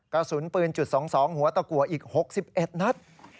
กระสุนปืนจุด๒๒หัวตะกัวอีก๖๑นัด